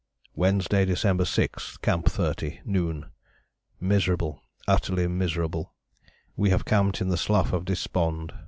"Wednesday, December 6. Camp 30. Noon. Miserable, utterly miserable. We have camped in the 'Slough of Despond.'